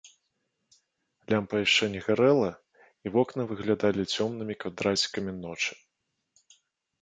Лямпа яшчэ не гарэла, і вокны выглядалі цёмнымі квадрацікамі ночы.